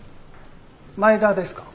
前田ですか。